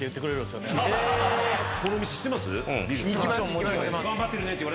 このお店知ってます？